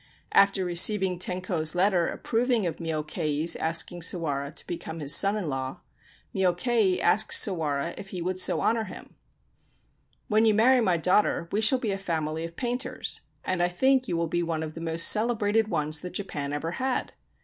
After receiving Tenko's letter approving of Myokei's asking Sawara to become his son in law, Myokei asked Sawara if he would so honour him. * When you marry my daughter, we shall be a family of painters, and I think you will be one of the most celebrated ones that Japan ever had.'